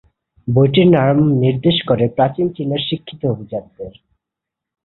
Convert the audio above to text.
বইটির নাম নির্দেশ করে প্রাচীন চীনের শিক্ষিত অভিজাতদের।